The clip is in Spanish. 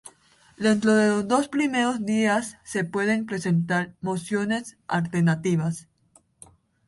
Dentro de los dos primeros días se pueden presentar mociones alternativas.